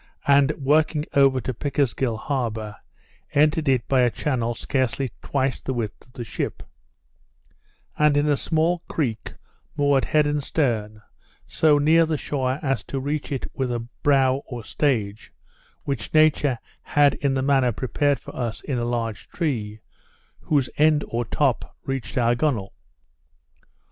and working over to Pickersgill harbour, entered it by a channel scarcely twice the width of the ship; and in a small creek, moored head and stern, so near the shore as to reach it with a brow or stage, which nature had in a manner prepared for us in a large tree, whose end or top reached our gunwale.